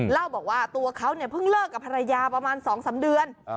เล่าบอกว่าตัวเขาเนี่ยเพิ่งเลิกกับภรรยาประมาณ๒๓เดือน